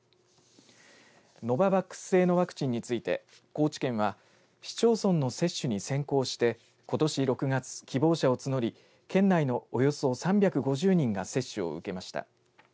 ノババックス製のワクチンについて高知県は市町村の接種に先行してことし６月、希望者を募り県内のおよそ３５０人が接種を受けました。